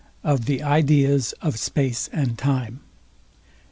OF THE IDEAS OF SPACE AND TIME.